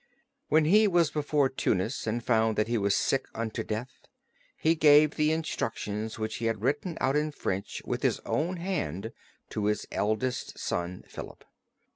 When he was before Tunis and found that he was sick unto death, he gave the instructions which he had written out in French with his own hand to his eldest son, Philip.